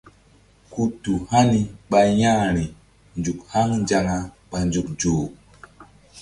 Ku tu hani ɓa ƴa̧h ri nzuk haŋ nzaŋa ɓa nzuk zoh.